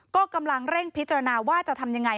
ก็กำลังเร่งพิจารณาว่าจะทำยังไง